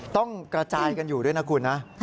ต้องกระจายกันอยู่ด้วยนะคุณนะ